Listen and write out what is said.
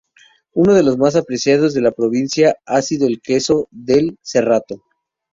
Uno de los más apreciados en la provincia ha sido el queso del Cerrato.